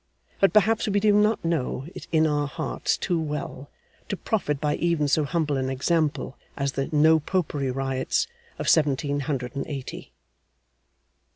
But perhaps we do not know it in our hearts too well, to profit by even so humble an example as the 'No Popery' riots of Seventeen Hundred and Eighty.